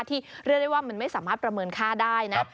เรียกได้ว่ามันไม่สามารถประเมินค่าได้นะ